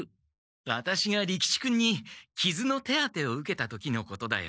ワタシが利吉君にきずの手当てを受けた時のことだよ。